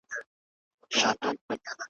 مګر رود بله چاره نه سي میندلای `